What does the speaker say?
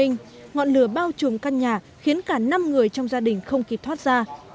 ngọn lửa bao trùm căn nhà khiến cả năm người trong gia đình không kịp thoát ra